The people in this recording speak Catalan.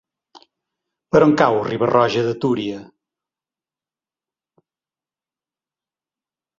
Per on cau Riba-roja de Túria?